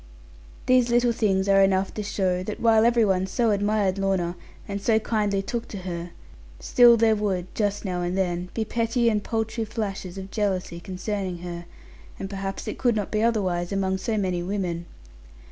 These little things are enough to show that while every one so admired Lorna, and so kindly took to her, still there would, just now and then, be petty and paltry flashes of jealousy concerning her; and perhaps it could not be otherwise among so many women.